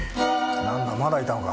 何だまだいたのか。